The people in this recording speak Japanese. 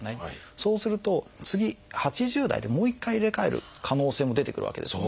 そうすると次８０代でもう一回入れ替える可能性も出てくるわけですね。